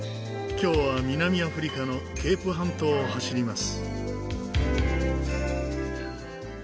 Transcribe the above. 今日は南アフリカのケープ半島を走ります。